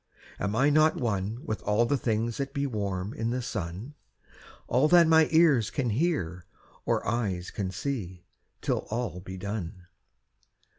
Am I not one with all the things that be Warm in the sun? All that my ears can hear, or eyes can see, Till all be done.